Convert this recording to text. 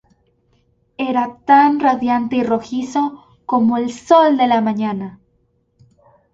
Era tan radiante y rojizo como el sol de la mañana.